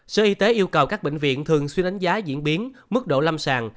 sở y tế yêu cầu các bệnh viện thường xuyên đánh giá diễn biến mức độ lâm sàng